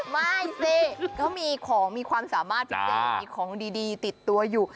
ไม่สิเขามีของมีความสามารถพิเศษมีของดีติดตัวอยู่